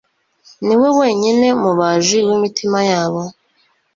ni we wenyine mubaji w’imitima yabo